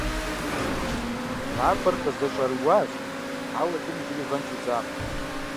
МафӀэр къызэщӀэрыуащ, ауэ лым иджыри вэн щӀидзакъым.